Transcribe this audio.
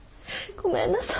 ごめんなさい。